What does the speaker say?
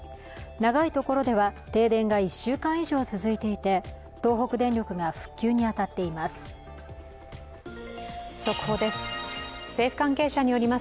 長いところでは停電が１週間以上続いていて、東北電力が復旧に当たっています。